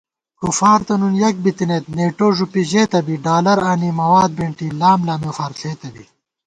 کُفار تہ نُون یَک بِتَنئیت نېٹو ݫُوپی ژېتہ بی * ڈالر آنی مواد بېنٹی لام لامےفار ݪېتہ بی